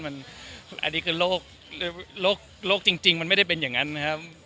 อันนี้คือโรคจริงมันไม่ได้เป็นอย่างนั้นนะครับ